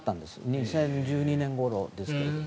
２０１２年ごろでしたけど。